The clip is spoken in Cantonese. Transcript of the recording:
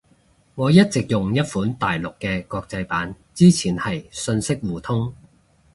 我一直用一款大陸嘅國際版。之前係信息互通